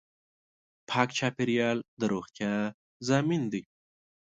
پاک چاپېریال د روغتیا ضامن دی.